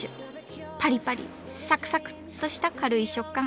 パリパリサクサクッとした軽い食感。